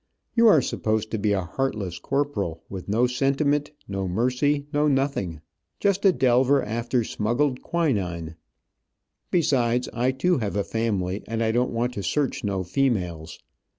You are supposed to be a heartless corporal, with no sentiment, no mercy, no nothing, just a delver after smuggled quinine. Besides, I too, have a family, and I don't want to search no females.